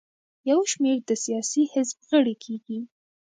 یو شمېر د سیاسي حزب غړي کیږي.